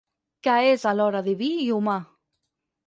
Que és alhora diví i humà.